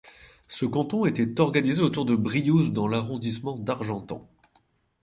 Ce canton était organisé autour de Briouze dans l'arrondissement d'Argentan.